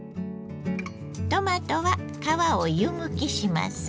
トマトは皮を湯むきします。